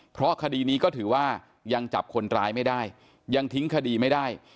เพราะคดีนี้ก็ถือว่ายังจับคนร้ายไม่ได้ยังทิ้งคดีไม่ได้